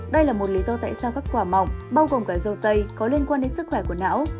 đây là một lý do tại sao các quả mỏng bao gồm cả dầu tây có liên quan đến sức khỏe của não